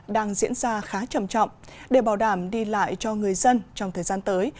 đang diễn ra khá trầm trọng để bảo đảm đi lại cho người dân trong thời gian tới